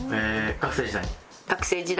学生時代。